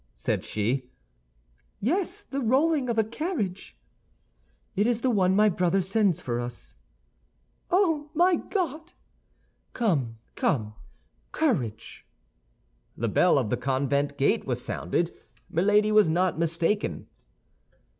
said she. "Yes, the rolling of a carriage." "It is the one my brother sends for us." "Oh, my God!" "Come, come! courage!" The bell of the convent gate was sounded; Milady was not mistaken.